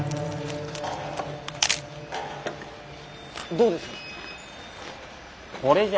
どうです？